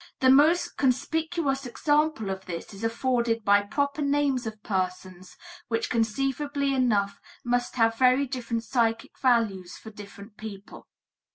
The most conspicuous example of this is afforded by proper names of persons, which conceivably enough must have very different psychic values for different people.